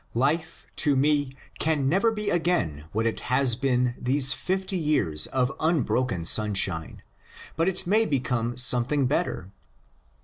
*^ Life to me can never be again what it has been these fifty years of unbroken sunshine — but it may become something better."